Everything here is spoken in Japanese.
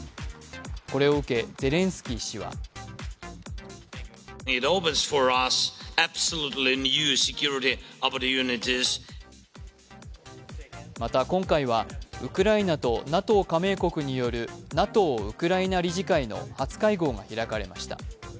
これを受けゼレンスキー氏はまた今回は、ウクライナとＮＡＴＯ加盟国による、ＮＡＴＯウクライナ理事会の初会合が開かれました。